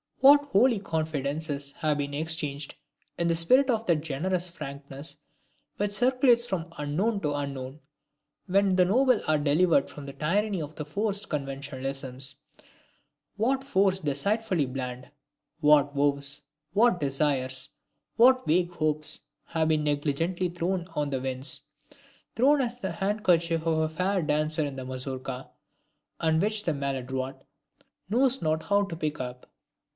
What holy confidences have been exchanged in the spirit of that generous frankness which circulates from unknown to unknown, when the noble are delivered from the tyranny of forced conventionalisms! What words deceitfully bland, what vows, what desires, what vague hopes have been negligently thrown on the winds; thrown as the handkerchief of the fair dancer in the Mazourka... and which the maladroit knows not how to pick up!...